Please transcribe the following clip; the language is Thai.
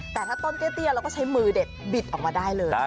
แต่ถ้าต้นเตี้ยเราก็ใช้มือเด็ดบิดออกมาได้เลย